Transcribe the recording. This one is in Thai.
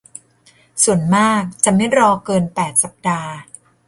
ส่วนมากจะไม่รอเกิน แปด สัปดาห์